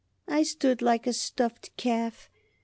"I stood like a stuffed calf.